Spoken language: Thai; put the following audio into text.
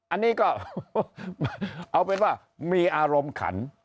อันนี้ก็เอาเป็นว่ามีอารมณ์ขัน